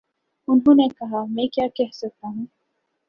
انہوں نے کہا: میں کیا کہہ سکتا ہوں۔